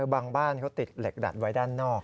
บางบ้านเขาติดเหล็กดัดไว้ด้านนอก